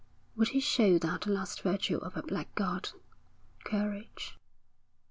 Would he show that last virtue of a blackguard courage?